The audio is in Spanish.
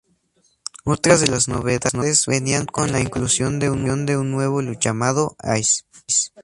Otra de las novedades venían con la inclusión de un nuevo luchador llamado Ace.